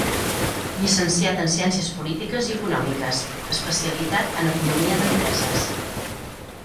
Llicenciat en Ciències Polítiques i Econòmiques, especialitat en Economia d'Empreses.